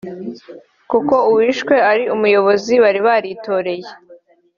kuko uwishwe ari umuyobozi bari baritoreye